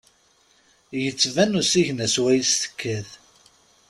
Yettban usigna swayes tekkat.